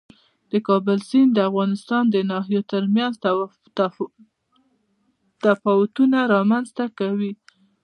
د کابل سیند د افغانستان د ناحیو ترمنځ تفاوتونه رامنځ ته کوي.